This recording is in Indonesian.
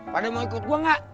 pada mau ikut gue gak